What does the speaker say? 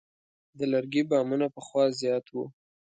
د لرګي بامونه پخوا زیات وو.